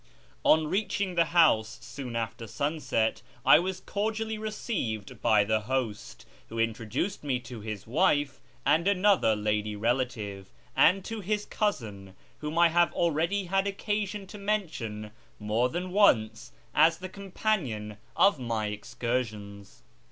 On reaching the house soon after sunset I was cordially received by the host, who introduced me to his wife and another lady relative, and to his cousin, whom I have already had occasion to mention more than once as the companion of my excursions.